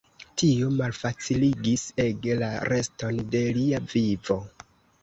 Tio malfaciligis ege la reston de lia vivo.